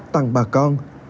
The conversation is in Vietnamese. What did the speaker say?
tặng bà con